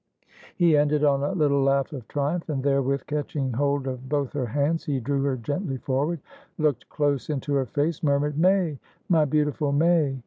He ended on a little laugh of triumph, and therewith, catching hold of both her hands, he drew her gently forward, looked close into her face, murmured "May! My beautiful May!"